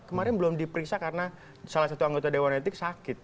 kemarin belum diperiksa karena salah satu anggota dewan etik sakit